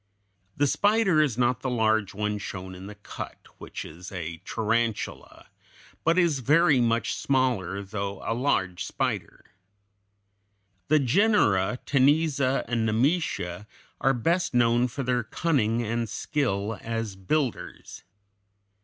The spider is not the large one shown in the cut, which is a tarantula, but is very much smaller, though a large spider. The genera, Cteniza and Nemesia, are best known for their cunning and skill as builders.